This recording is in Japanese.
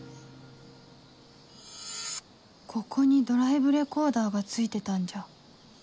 ここにドライブレコーダーが付いてたんじゃ？